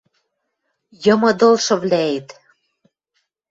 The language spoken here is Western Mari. Йымыдылшывлӓэт